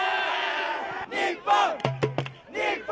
日本！